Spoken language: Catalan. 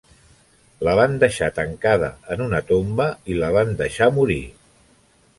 La van deixar tancada en una tomba i la van deixat morir.